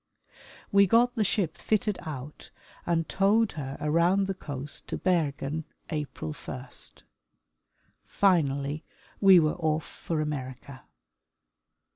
We got the ship fitted out and towed her around the coast to Bergen April 1. Finally, we were off for America.